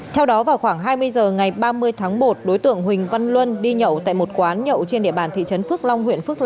theo đó vào khoảng hai mươi giờ ngày ba mươi tháng một đối tượng huỳnh văn luân đi nhậu tại một quán nhậu trên địa bàn thị trấn phước long